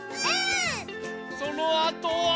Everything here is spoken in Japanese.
そのあとは。